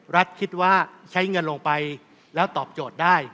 คิดว่าใช้เงินลงไปแล้วตอบโจทย์ได้